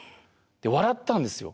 で笑ったんですよ。